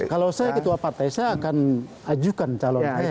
kalau saya ketua partai saya akan ajukan calon saya